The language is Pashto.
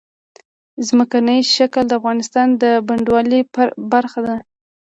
ځمکنی شکل د افغانستان د بڼوالۍ برخه ده.